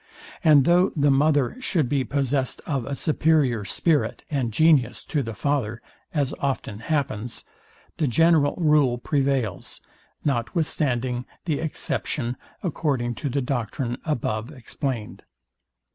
And though the mother should be possest of a superior spirit and genius to the father, as often happens, the general rule prevails, notwithstanding the exception, according to the doctrine above explained.